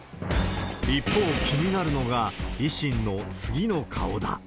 一方、気になるのが維新の次の顔だ。